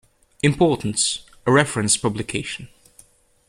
Importance: A reference publication.